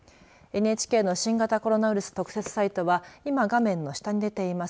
ＮＨＫの新型コロナウイルス特設サイトは今、画面の下に出ています